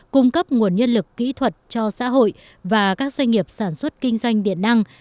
cung cấp nguồn nhân lực kỹ thuật cho xã hội và các doanh nghiệp sản xuất kinh doanh điện năng